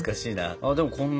あでもこんな？